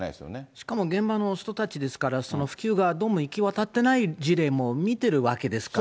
しかも現場の人たちですから、普及がどうも行き渡ってない事例も見てるわけですから。